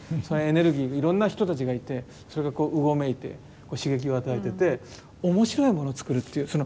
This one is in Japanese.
そのエネルギーにいろんな人たちがいてそれがうごめいて刺激を与えてて面白いものをつくるっていう。